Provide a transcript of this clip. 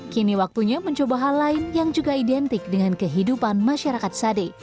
kini waktunya mencoba hal lain yang juga identik dengan kehidupan masyarakat sade